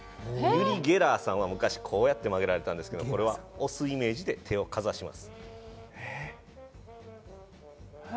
ユリ・ゲラーさんは昔こうやって曲げられたんですけど、押すイメージで手をかざします。